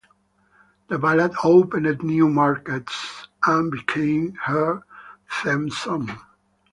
The ballad opened new markets and became her theme song.